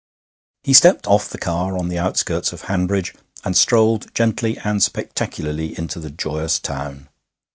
II He stepped off the car on the outskirts of Hanbridge, and strolled gently and spectacularly into the joyous town.